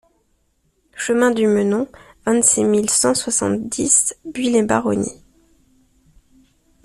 Chemin du Menon, vingt-six mille cent soixante-dix Buis-les-Baronnies